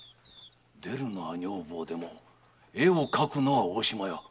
出るのは女房でも絵を描くのは大島屋。